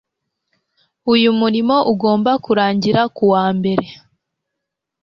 uyu murimo ugomba kurangira kuwa mbere